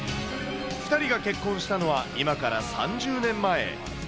２人が結婚したのは今から３０年前。